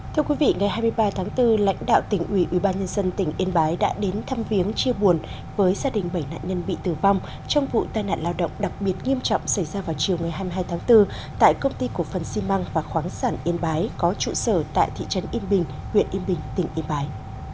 thưa quý vị ngày hai mươi ba tháng bốn lãnh đạo tỉnh ủy ubnd tỉnh yên bái đã đến thăm viếng chia buồn với gia đình bảy nạn nhân bị tử vong trong vụ tai nạn lao động đặc biệt nghiêm trọng xảy ra vào chiều ngày hai mươi hai tháng bốn tại công ty cổ phần xi măng và khoáng sản yên bái có trụ sở tại thị trấn yên bình huyện yên bình tỉnh yên bái